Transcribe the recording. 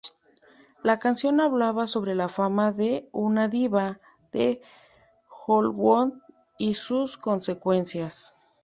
La canción habla sobre la fama de una diva de Hollywood y sus consecuencias.